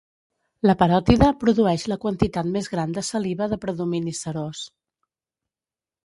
La paròtide produeix la quantitat més gran de saliva de predomini serós.